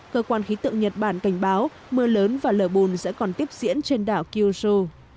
cơ quan khí tượng nhật bản cảnh báo mưa lớn và lở bùn sẽ còn tiếp diễn trên đảo kyuso